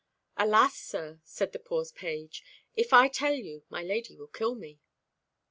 "Alas, sir," said the poor page, "if I tell you, my lady will kill me."